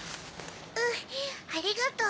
うんありがとう！